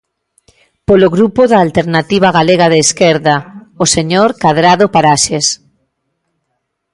Polo Grupo da Alternativa Galega de Esquerda, o señor Cadrado Paraxes.